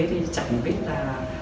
thì chẳng biết là